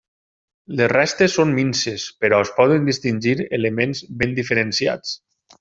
Les restes són minses però es poden distingir elements ben diferenciats.